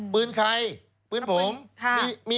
ปืนใครปืนผม